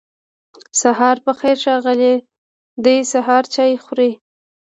سهار پخير ښاغلی دی سهار چای خوری